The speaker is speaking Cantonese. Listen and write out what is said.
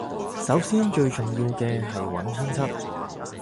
首先最重要嘅係揾編輯